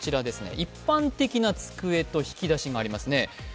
一般的な机と引き出しがありますね。